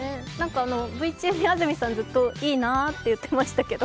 Ｖ中、安住さんずっといいなって言ってましたけど。